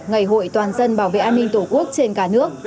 ngày hội toàn dân bảo vệ an ninh tổ quốc trên cả nước